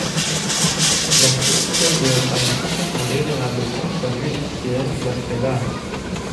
La Cour supérieure a une compétence générale de contrôle judiciaire, d'après l'art.